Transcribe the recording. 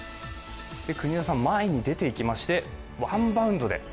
国枝さん、前に出て行きましてワンバウンドで。